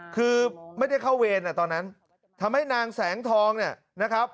คือไม่ได้เข้าเวรตอนนั้นทำให้นางแสงทองเนี่ยนะครับ